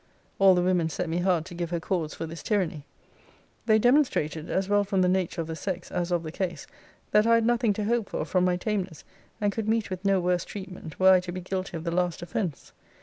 All the women set me hard to give her cause for this tyranny. They demonstrated, as well from the nature of the sex, as of the case, that I had nothing to hope for from my tameness, and could meet with no worse treatment, were I to be guilty of the last offence.